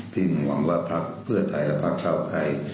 ที่หวังว่าพลักษณ์เพื่อไทยและพลักษณ์เท่าไทย